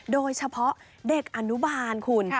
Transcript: โดยเฉพาะเด็กอนุบาลคุณ